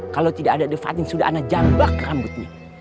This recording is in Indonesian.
kalau tidak ada ade fatin sudah ana jambak rambutnya